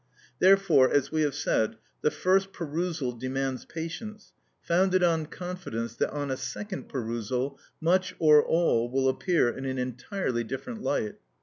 Therefore, as we have said, the first perusal demands patience, founded on confidence that on a second perusal much, or all, will appear in an entirely different light.